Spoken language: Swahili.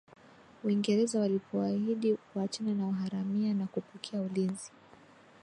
Uingereza walipoahidi kuachana na uharamia na kupokea ulinzi